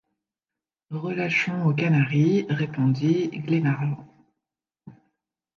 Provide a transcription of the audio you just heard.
Relâchons aux Canaries, répondit Glenarvan.